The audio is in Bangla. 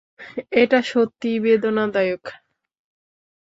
এটা সত্যিই বেদনাদায়ক।